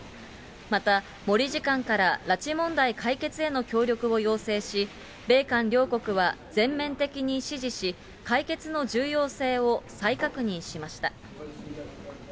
また、森次官から拉致問題解決への協力を要請し、米韓両国は全面的に支持し、解決の重要性を再確認しました。